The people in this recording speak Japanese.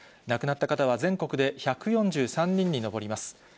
亡くなった方は、全国で１４３人に上ります。